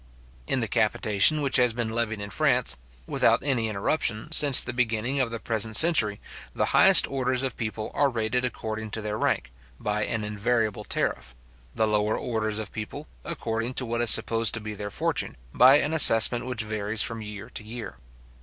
In the capitation which has been levied in France, without any interruption, since the beginning of the present century, the highest orders of people are rated according to their rank, by an invariable tariff; the lower orders of people, according to what is supposed to be their fortune, by an assessment which varies from year to year.